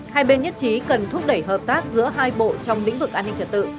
hai bên nhất trí cần thúc đẩy hợp tác giữa hai bộ trong lĩnh vực an ninh trật tự